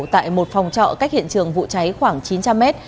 tại một phòng trọ cách hiện trường vụ cháy khoảng chín trăm linh mét